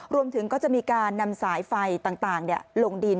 รวมถึงก็จะมีการนำสายไฟต่างลงดิน